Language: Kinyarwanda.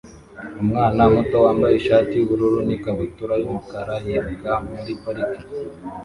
Umwana muto wambaye ishati yubururu n ikabutura yumukara yiruka muri parike